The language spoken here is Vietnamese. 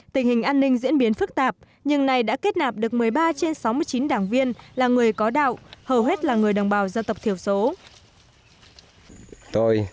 tình hình an ninh diễn biến phức tạp nhưng nay đã kết nạp được một mươi ba trên sáu mươi chín đảng viên là người có đạo hầu hết là người đồng bào dân tộc thiểu số